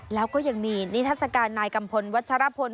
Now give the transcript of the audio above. แล้วก็ยังมียนตรศการนายกำพลวัชฎะรับพล